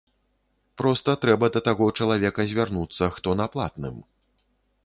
Проста трэба да таго чалавека звярнуцца, хто на платным.